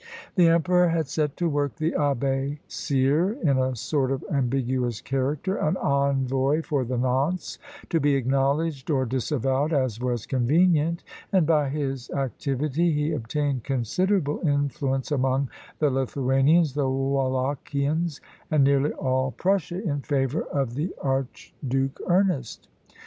The emperor had set to work the Abbé Cyre in a sort of ambiguous character, an envoy for the nonce, to be acknowledged or disavowed as was convenient; and by his activity he obtained considerable influence among the Lithuanians, the Wallachians, and nearly all Prussia, in favour of the Archduke Ernest.